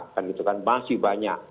kan gitu kan masih banyak